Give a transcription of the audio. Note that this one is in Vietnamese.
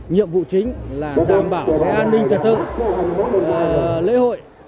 nhiệm vụ chính là đảm bảo an ninh trật tự lễ hội